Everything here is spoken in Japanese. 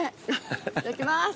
いただきます。